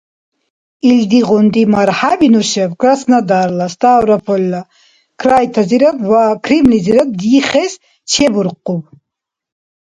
Илдигъунти мархӀяби нушаб Краснодарла, Ставропольла крайтазирад ва Крымлизирад дихес чебуркъуб.